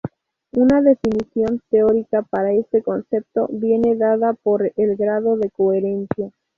Una definición teórica para este concepto viene dada por el grado de coherencia.